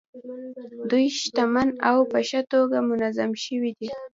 دوی شتمن او په ښه توګه منظم شوي دي.